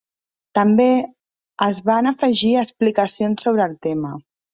També es van afegir explicacions sobre el tema.